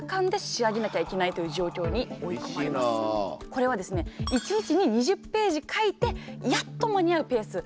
これはですね１日に２０ページ描いてやっと間に合うペース。